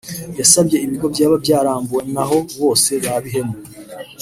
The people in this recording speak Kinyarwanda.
yasabye ibigo byaba byarambuwe n’aho bose ba bihemu